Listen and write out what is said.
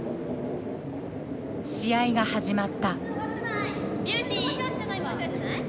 試合が始まった。